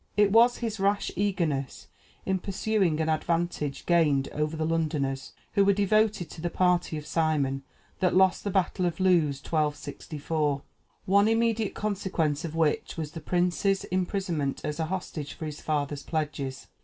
It was his rash eagerness in pursuing an advantage gained over the Londoners, who were devoted to the party of Simon, that lost the battle of Lewes (1264), one immediate consequence of which was the prince's imprisonment as a hostage for his father's pledges.